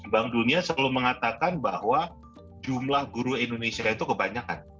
bank dunia selalu mengatakan bahwa jumlah guru indonesia itu kebanyakan